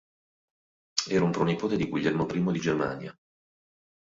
Era una pronipote di Guglielmo I di Germania.